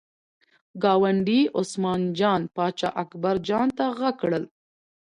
ګاونډي عثمان جان پاچا اکبر جان ته غږ کړل.